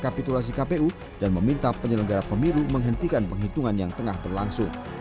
kepala negara menanggap rekapitulasi kpu dan meminta penyelenggara pemilu menghentikan penghitungan yang tengah berlangsung